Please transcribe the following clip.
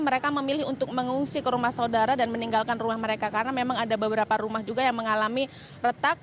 mereka memilih untuk mengungsi ke rumah saudara dan meninggalkan rumah mereka karena memang ada beberapa rumah juga yang mengalami retak